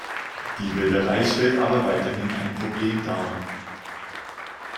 Die Wilderei stellt aber weiterhin ein Problem dar.